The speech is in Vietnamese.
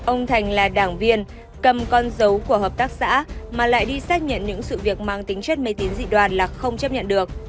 ông thành là đảng viên cầm con dấu của hợp tác xã mà lại đi xác nhận những sự việc mang tính chất mê tín dị đoàn là không chấp nhận được